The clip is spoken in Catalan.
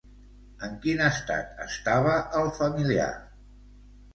En quin estat estava el familiar?